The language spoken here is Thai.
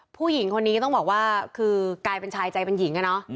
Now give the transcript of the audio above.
ผู้หญิงคนนี้ก็ต้องบอกว่าคือกลายเป็นชายใจเป็นหญิงอะเนาะ